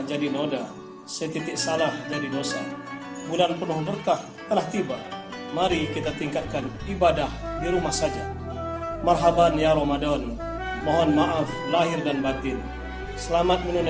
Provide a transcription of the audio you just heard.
assalamualaikum warahmatullahi wabarakatuh